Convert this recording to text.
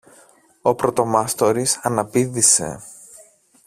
Ο πρωτομάστορης αναπήδησε.